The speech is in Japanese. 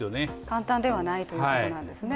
簡単ではないということなんですね。